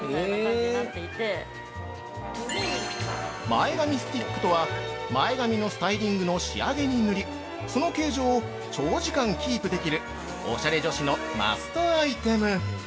◆前髪スティックとは前髪のスタイリングの仕上げに塗り、その形状を長時間キープできるオシャレ女子のマストアイテム。